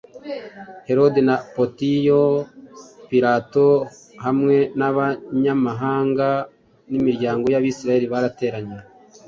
Herode na Pontiyo Pilato hamwe n’abanyamahanga n’imiryango y’Abisirayeli barateranye